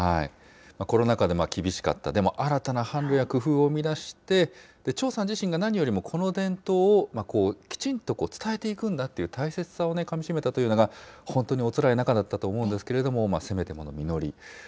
コロナ禍で厳しかった、でも新たな販路や工夫を生み出して、張さん自身が何よりもこの伝統をきちんと伝えていくんだっていう大切さをかみしめたっていうのが、本当におつらい中だったと思うんですけど、せめてもの祈り。